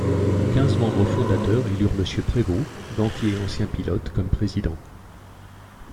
Quinze membres fondateurs élurent Monsieur Prévot, gantier et ancien pilote comme Président.